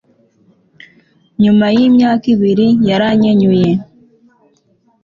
nyuma yimyaka ibiri, yaranyenyuye